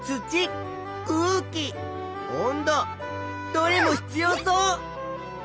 どれも必要そう！